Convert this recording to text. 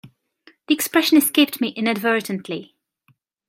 The expression escaped me inadvertently.